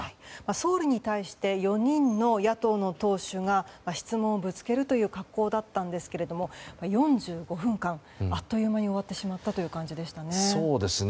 総理に対して４人の野党の党首が質問をぶつけるという格好だったんですけれども４５分間、あっという間に終わってしまったという感じでしたね。